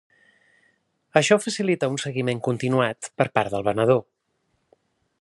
Això facilita un seguiment continuat per part del venedor.